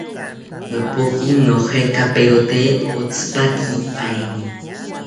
Nopoki nojekaperote otzipakipaeni